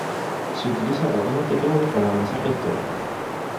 Se utiliza ratón o teclado para avanzar la historia.